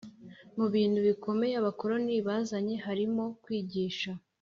Mu bintu bikomeye abakoloni bazanye harimo kwigisha